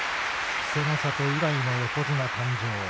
稀勢の里以来の横綱誕生。